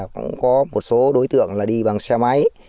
cũng có một số đối tượng là đi bằng xe máy